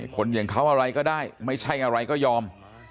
คนอย่างเขาอะไรก็ได้ไม่ใช่อะไรก็ยอม